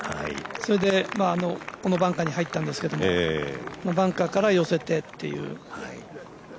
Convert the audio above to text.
それでバンカーに入ったんですけどバンカーから寄せてっていう。